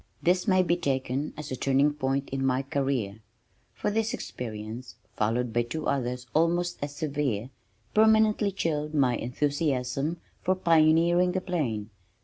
This may be taken as a turning point in my career, for this experience (followed by two others almost as severe) permanently chilled my enthusiasm for pioneering the plain.